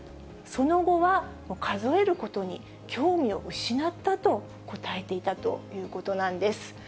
その後は数えることに興味を失ったと答えていたということなんです。